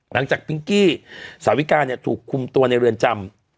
หลังจากปิ้งกี้สาวิกาเนี่ยถูกคุมตัวในเรือนจำ